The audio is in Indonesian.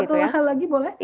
satu hal lagi boleh